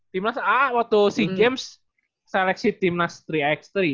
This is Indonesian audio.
timnas a waktu sea games seleksi timnas tiga x tiga